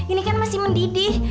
ini kan masih mendidih